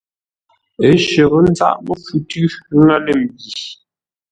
A shərə́ záʼ məfu tʉ̌ ŋə́ lə̂ mbî.